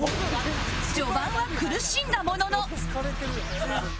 序盤は苦しんだものの